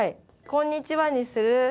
「こんにちは」にする？